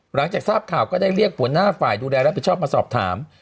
หลังจากทราบข่าวก็ได้เรียกหัวหน้าฝ่ายดูแลรับผิดชอบมาสอบถาม